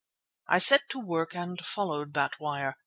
I set to work and followed that wire.